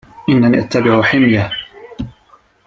إنني أتبع حمية.